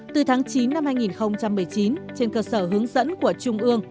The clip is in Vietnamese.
từ tháng chín năm hai nghìn một mươi chín trên cơ sở hướng dẫn của trung ương